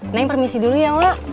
neng permisi dulu ya wak